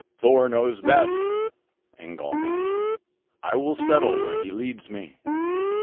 "Thor knows best," Ingolf answered. "I will settle where he leads me."